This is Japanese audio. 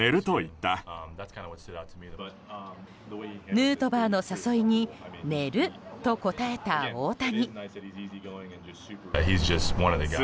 ヌートバーの誘いに寝ると答えた大谷。